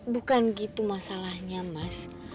bukan gitu masalahnya mas